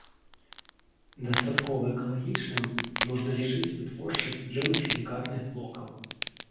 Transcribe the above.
Дастаткова экалагічным можна лічыць вытворчасць белых сілікатных блокаў.